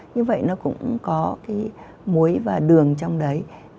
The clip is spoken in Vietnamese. như vậy nó cũng có cái muối và đường trong đấy